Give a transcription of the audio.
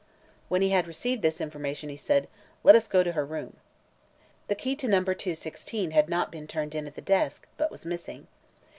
When he had received this information he said: "Let us go to her room." The key to No. 216 had not been turned in at the office, but was missing.